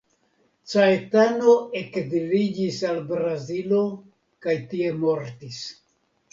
Caetano ekziliĝis al Brazilo kaj tie mortis.